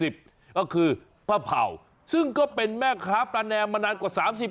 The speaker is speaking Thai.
ก็คือป้าเผ่าซึ่งก็เป็นแม่ค้าปลาแนมมานานกว่า๓๐ปี